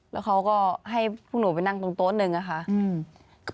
แล้วเขาก็ให้พวกหนูไปนั่งตรงโต๊ะหนึ่งอะค่ะ